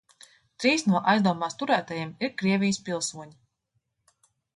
Trīs no aizdomās turētajiem ir Krievijas pilsoņi.